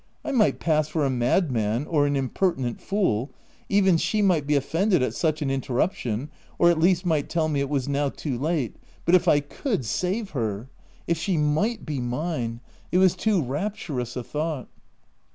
I might pass for a madman or an impertinent fool — even she might be offended at such an interruption, or at least might tell me it was now too late — but if I could save her ! if she might be mine — it was too rapturous a thought